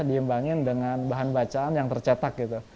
diimbangin dengan bahan bacaan yang tercetak gitu